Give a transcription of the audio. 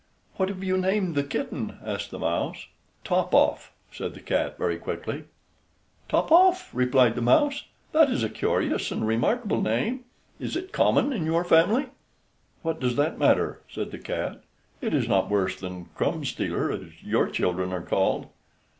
"What have you named the kitten?" asked the mouse. "Top off," said the cat very quickly. "Top off!" replied the mouse; "that is a curious and remarkable name; is it common in your family?" "What does that matter?" said the cat; "it is not worse than Crumb stealer, as your children are called."